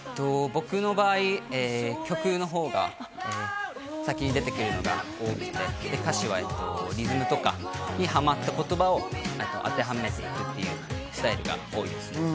僕の場合、曲が先に出てくるのが多くて、歌詞はリズムにはまった言葉を当てはめるスタイルが多いです。